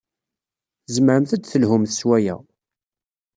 Tzemremt ad d-telhumt s waya.